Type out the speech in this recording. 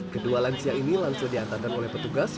kedua lansia ini langsung diantarkan oleh petugas